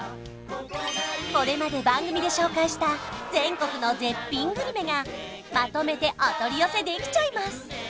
これまで番組で紹介した全国の絶品グルメがまとめてお取り寄せできちゃいます